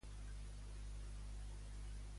Però què li va ocórrer al Víctor?